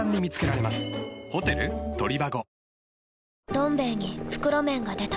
「どん兵衛」に袋麺が出た